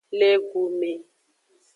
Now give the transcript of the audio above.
Le gu me.